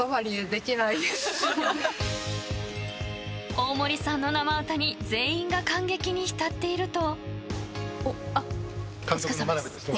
大森さんの生歌に全員が感激に浸っていると。